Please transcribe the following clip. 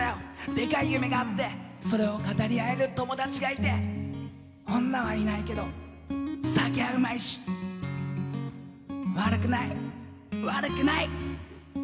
でかい夢があってそれを語り合える友達がいて女はいないけど酒はうまいし悪くない悪くないとは思うんだ。